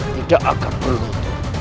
tidak akan berhutu